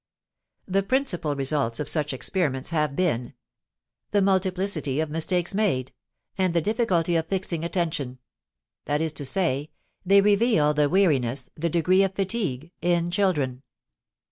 The principal results of such experiments have been: the multiplicity of mistakes made, and the difficulty of fixing attention; that is to say, they reveal the weariness, the degree of fatigue, in children.